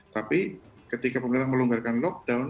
tapi ketika pemerintah melonggarkan lockdown